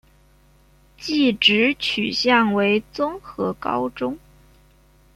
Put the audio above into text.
技职取向为综合高中。